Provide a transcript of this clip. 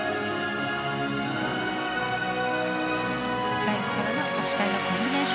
フライングからの足換えのコンビネーションスピン。